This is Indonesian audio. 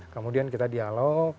kemudian kita dialog